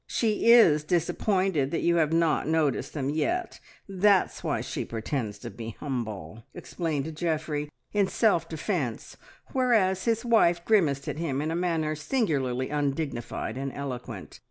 She is disappointed that you have not noticed them yet, that's why she pretends to be humble!" explained Geoffrey in self defence, whereat his wife grimaced at him in a manner singularly undignified and eloquent.